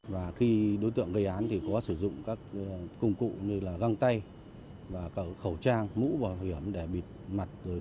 và khi đối tượng gây án thì có sử dụng các công cụ như là găng tay khẩu trang mũ vào huyện để bịt mặt